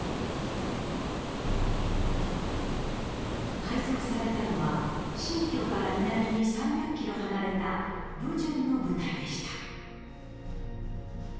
配属されたのは新京から南に３００キロ離れた撫順の部隊でした。